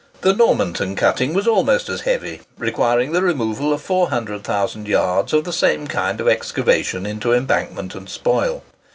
The Normanton cutting was almost as heavy, requiring the removal of 400,000 yards of the same kind of excavation into embankment and spoil.